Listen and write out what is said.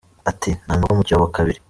Ati “Nta mugabo ugwa mu cyobo kabiri.